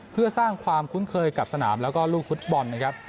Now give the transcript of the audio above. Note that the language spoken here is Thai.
เพื่อสร้างความคุ้นเคยกับสนามแล้วก็ลูกฟุตบอลนะครับ